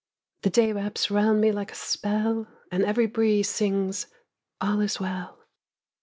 The day wraps round me like a spell, And every breeze sings, "All is well."